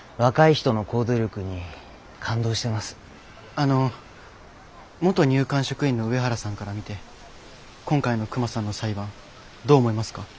あの元入管職員の上原さんから見て今回のクマさんの裁判どう思いますか？